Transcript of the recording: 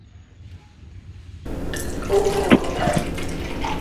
O kwuru